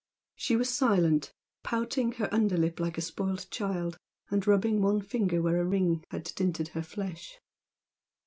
She was silent pouting her under lip like a spoilt child, and rubbing one finger where a ring had dinted her flesh.